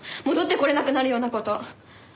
戻ってこられなくなるような事。